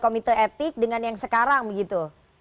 komite etik dengan yang sekarang begitu